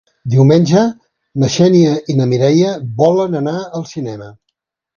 Diumenge na Xènia i na Mireia volen anar al cinema.